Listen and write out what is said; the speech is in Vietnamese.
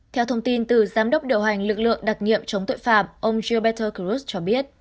theo thông tin từ giám đốc điều hành lực lượng đặc nhiệm chống tội phạm ông gieobetur cross cho biết